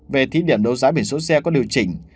về thí điểm đấu giá biển số xe có điều chỉnh